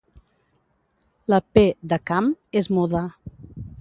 La 'p' de 'camp' és muda.